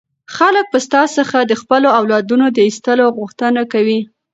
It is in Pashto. خلک به ستا څخه د خپلو اولادونو د ایستلو غوښتنه کوي.